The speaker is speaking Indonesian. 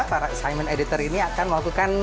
para simon editor ini akan melakukan